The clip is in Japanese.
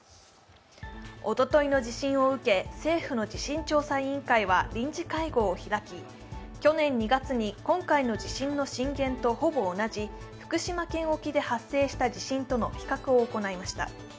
おとといの地震を受け、政府の地震調査委員会は臨時会合を開き去年２月に今回の地震の震源とほぼ同じ福島県沖で発生した地震との比較を行いました。